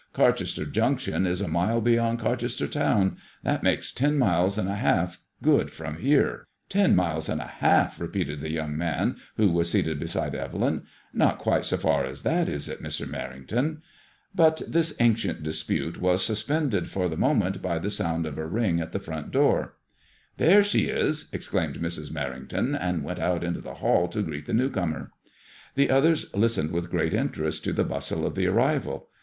Carchester Jimction is a mile beyond Carchester town ; that makes ten miles and a half good from here.'* Ten miles and a half I " repeated the young man who was seated beside Evelyn. Not quite so frir as that, is it, Mr. Merrington ?" But this ancient dispute was MADEMOISKXJJI IXK suspended for the moment by the sound of a ring at the front door. There she is I " exclaimed Mrs. Merringtoni and went out into the hall to greet the new comer. The others listened with great interest to the bustle of the arrival.